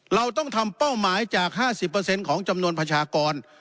เราต้องทำเป้าหมายจาก๕๐ของจำนวนประชากร